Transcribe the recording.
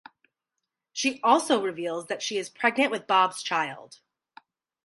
She also reveals that she is pregnant with Bob's child.